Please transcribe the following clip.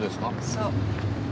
そう。